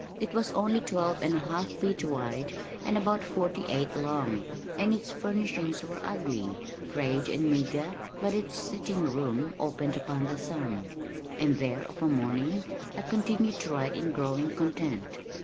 It was only twelve and a half feet wide and about forty eight long, and its furnishings were ugly, frayed and meager, but its sitting room opened upon the sun, and there, of a morning, I continued to write in growing content.